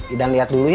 idan lihat dulu ya